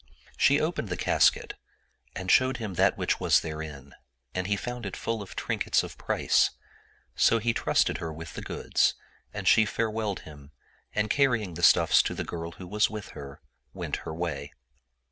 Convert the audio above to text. She opened the casket and showed him that which was therein and he found it full of trinkets of price ; so he trusted her with the goods and she farewelled him and canying the stuffs to the girl who was with her, went her way.